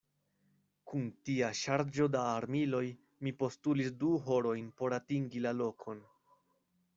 Kun tia ŝarĝo da armiloj mi postulis du horojn por atingi la lokon.